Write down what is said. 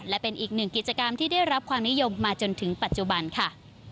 และเป็นอีกหนึ่งกิจกรรมที่ได้รับความนิยมมาจนถึงปัจจุบันค่ะ